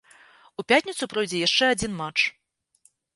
У пятніцу пройдзе яшчэ адзін матч.